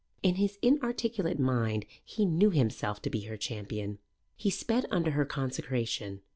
In his inarticulate mind he knew himself to be her champion. He sped under her consecration.